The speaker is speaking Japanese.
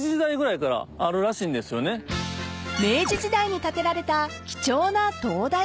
［明治時代に建てられた貴重な灯台］